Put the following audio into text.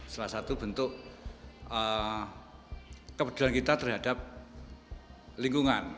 salah satu bentuk kepedulian kita terhadap lingkungan